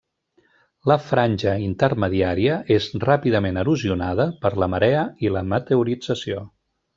La franja intermediària és ràpidament erosionada per la marea i la meteorització.